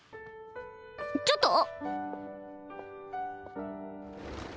ちょっと？